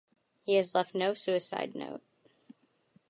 He has left no suicide note.